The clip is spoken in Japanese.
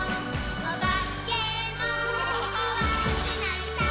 「おばけもこわくないさ」